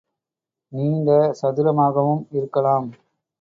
நீண்ட சதுரமாகவும் இருக்கலாம்.